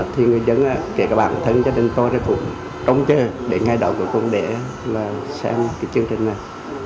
thì người dân kể cả bản thân gia đình coi ra cũng không chơi để nghe đầu của con đẻ xem cái chương trình này